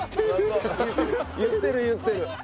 言ってる言ってる。